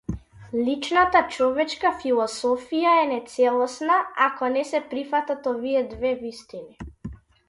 Личната човечка философија е нецелосна, ако не се прифатат овие две вистини.